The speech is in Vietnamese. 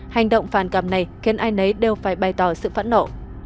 hành động phản cảm này khiến ai nấy đều phải bày tỏ sự phẫn nộ